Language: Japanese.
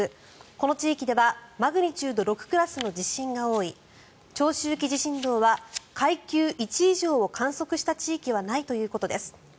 この地域ではマグニチュード６クラスの地震が多い長周期地震動は階級１以上を観測した地域はないということです。